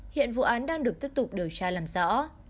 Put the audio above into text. hiện vụ án đang được tiếp tục điều tra làm rõ